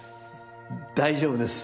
大丈夫です。